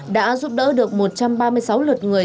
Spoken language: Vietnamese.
đã giúp đỡ được một trăm ba mươi sáu lượt người